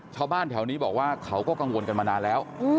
ชาวบ้านแถวนี้บอกว่าเขาก็กังวลกันมานานแล้ว